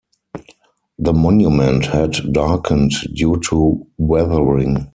The monument had darkened due to weathering.